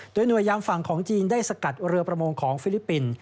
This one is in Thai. โดยหน่วยยามฝั่งของจีนได้สกัดเรือประมงของฟิลิปปินส์